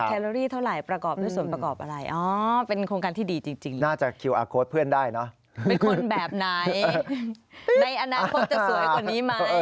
แคลอรีเท่าไรประกอบแล้วส่วนประกอบอะไร